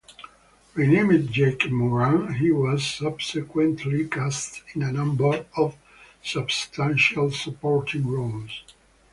Renamed Jackie Moran, he was subsequently cast in a number of substantial supporting roles.